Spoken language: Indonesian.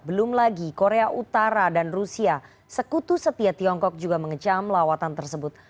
belum lagi korea utara dan rusia sekutu setia tiongkok juga mengecam lawatan tersebut